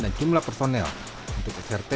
dan jumlah personel untuk srt